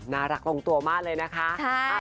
น่ารักลงตัวมากเลยนะคะ